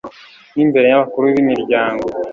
n'imbere y'abakuru b'imiryango